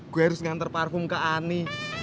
gue harus ngantar parfum ke ani